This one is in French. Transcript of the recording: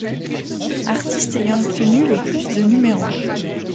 Artistes ayant obtenu le plus de No.